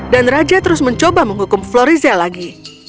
dan raja terus mencoba menghukum florizel lagi